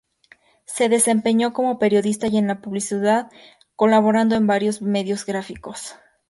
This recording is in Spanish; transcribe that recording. Se desempeñó como periodista y en publicidad, colaborando en varios medios gráficos.